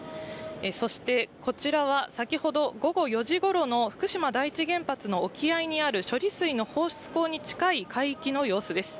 そして、こちらは先ほど午後４時ごろの、福島第一原発の沖合にある処理水の放出口に近い海域の様子です。